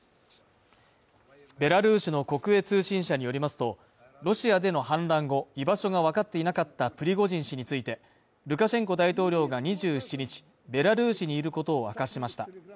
ベラルーシの国営通信社によりますと、ロシアでの反乱後、居場所がわかっていなかったプリゴジン氏について、ルカシェンコ大統領が２７日、ベラルーシにいることを明かしました。